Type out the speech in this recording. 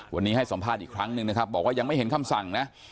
วันนี้ให้สัมภาษณ์อีกครั้งหนึ่งนะครับบอกว่ายังไม่เห็นคำสั่งนะ